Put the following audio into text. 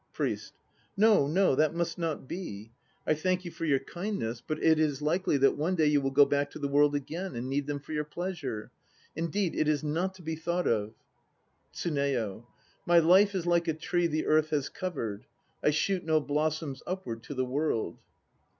PRIEST. No, no, that must not be. I thank you for your kindness, but it HACHI NO KI 105 is likely that one day you will go back to the World again and need them for your pleasure. Indeed it is not to be thought of. TSUNEYO. My life is like a tree the earth has covered; I shoot no blossoms upward to the world.